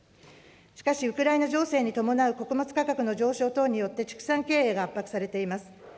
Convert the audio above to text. しかし、ウクライナ情勢に伴う穀物価格の上昇等によって畜産経営が圧迫されています。